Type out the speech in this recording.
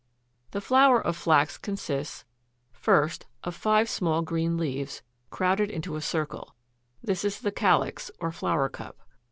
=The Flower= of Flax consists, first, of five small green leaves, crowded into a circle: this is the CALYX, or flower cup.